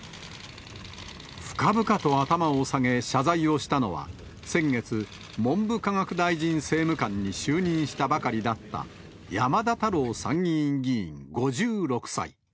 深々と頭を下げ、謝罪をしたのは、先月、文部科学大臣政務官に就任したばかりだった山田太郎参議院議員５６歳。